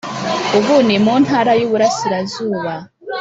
ubu ni mu Ntara y’Uburasirazuba